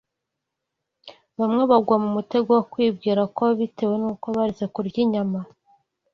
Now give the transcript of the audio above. Bamwe bagwa mu mutego wo kwibwira ko bitewe n’uko baretse kurya inyama